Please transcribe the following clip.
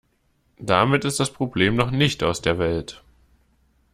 Damit ist das Problem noch nicht aus der Welt.